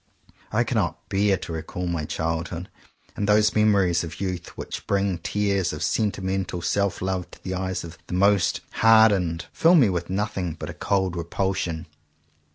I cannot bear to recall my childhood; and those memories of youth which bring tears of sentimental self love to the eyes of the most hardened, fill me with nothing but a cold repulsion.